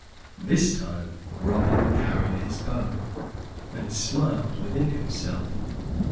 This time Robin carried his bow and smiled within himself.